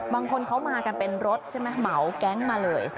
บางคนเขามากันเป็นรถใช่ไหมเหมาแก๊งมาเลย